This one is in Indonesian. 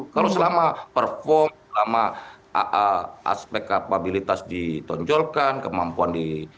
kalau selama perform selama aspek kapabilitas ditonjolkan